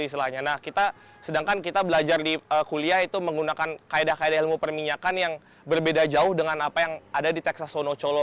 sedangkan kita belajar di kuliah itu menggunakan kaedah kaedah ilmu perminyakan yang berbeda jauh dengan apa yang ada di texas sono colo